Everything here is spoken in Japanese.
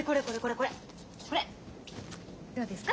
これどうですか？